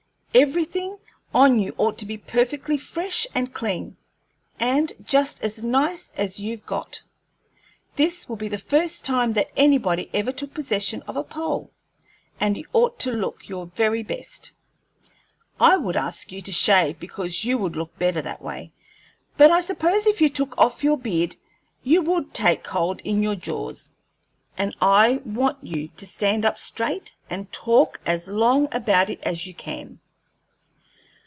Everything on you ought to be perfectly fresh and clean, and just as nice as you've got. This will be the first time that anybody ever took possession of a pole, and you ought to look your very best. I would ask you to shave, because you would look better that way, but I suppose if you took off your beard you would take cold in your jaws. And I want you to stand up straight, and talk as long about it as you can.